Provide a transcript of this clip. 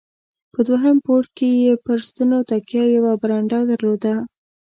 په دوهم پوړ کې یې پر ستنو تکیه، یوه برنډه درلوده.